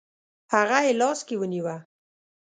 هغه یې لاس کې ونیوه.